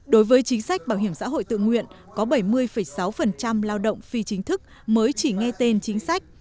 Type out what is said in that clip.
đối với chính sách bảo hiểm xã hội tự nguyện có bảy mươi sáu lao động phi chính thức mới chỉ nghe tên chính sách